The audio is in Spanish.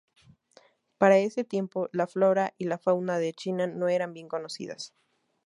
Para ese tiempo la flora y la fauna de China no eran bin conocidas.